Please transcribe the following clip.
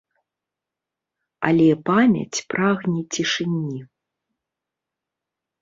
Але памяць прагне цішыні.